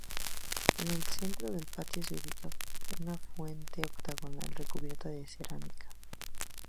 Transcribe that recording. En el centro del patio se ubica una fuente octogonal recubierta de cerámica.